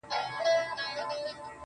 o ستا خالونه مي ياديږي ورځ تېرېږي.